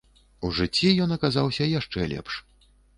У жыцці ён аказаўся яшчэ лепш.